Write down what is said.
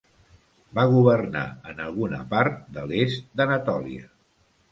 Va governar en alguna part de l'est d'Anatòlia.